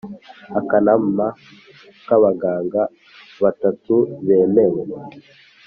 akanama k abaganga batatu bemewe